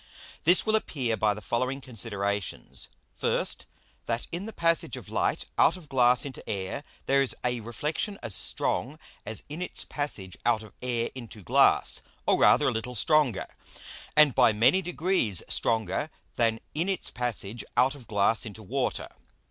_ This will appear by the following Considerations. First, That in the passage of Light out of Glass into Air there is a Reflexion as strong as in its passage out of Air into Glass, or rather a little stronger, and by many degrees stronger than in its passage out of Glass into Water.